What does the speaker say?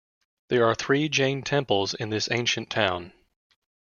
There are three Jain temples in this ancient town.